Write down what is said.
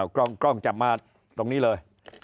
กล้องจับมาตรงนี้เลย